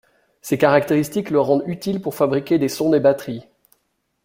Ces caractéristiques le rendent utile pour fabriquer des sondes et batteries.